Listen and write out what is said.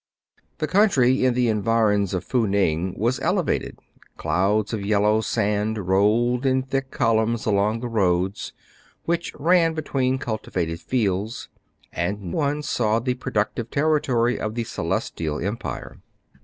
The country in the environs of Fou Ning was elevated. Clouds of yellow sand rolled in thick columns along the roads, which ran between cul tivated fields; and one still saw the productive territory of the Celestial Empire.